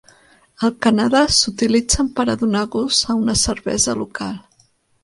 Al Canadà s'utilitzen per a donar gust a una cervesa local.